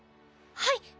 はい。